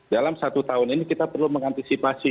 dalam satu tahun ini kita perlu mengantisipasi